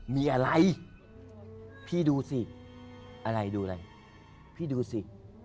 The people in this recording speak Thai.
มีอะไรพี่ดูสิ